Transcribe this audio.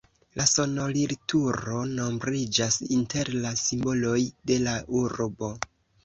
La sonorilturo nombriĝas inter la simboloj de la urbo.